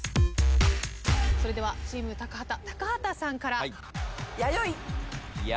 それではチーム高畑高畑さんから。